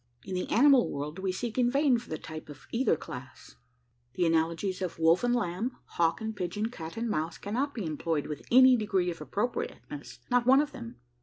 In the animal world, we seek in vain for the type of either class. The analogies of wolf and lamb, hawk and pigeon, cat and mouse, cannot be employed with any degree of appropriateness not one of them.